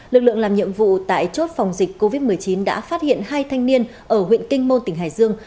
lực lượng làm nhiệm vụ tại chốt phòng dịch covid một mươi chín đã phát hiện hai thanh niên ở huyện kinh môn tỉnh hải dương